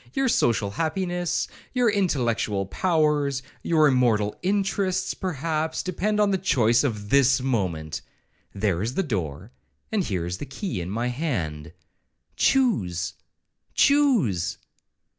Your social happiness, your intellectual powers, your immortal interests, perhaps, depend on the choice of this moment.—There is the door, and the key is my hand. Choose—choose!'